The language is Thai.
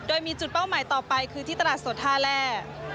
โดยมีจุดเป้าหมายต่อไปคือที่ตลาดสดท่าแร่